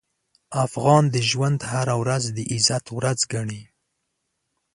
افغان د ژوند هره ورځ د عزت ورځ ګڼي.